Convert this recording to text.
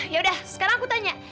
ya udah sekarang aku tanya